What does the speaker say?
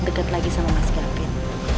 deket lagi sama mas gafin